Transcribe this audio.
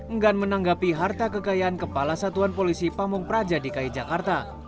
enggan menanggapi harta kekayaan kepala satuan polisi pamung praja dki jakarta